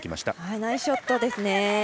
ナイスショットですね。